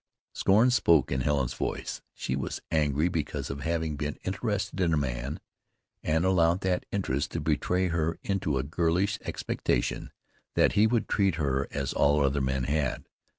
Scorn spoke in Helen's voice. She was angry because of having been interested in a man, and allowed that interest to betray her into a girlish expectation that he would treat her as all other men had.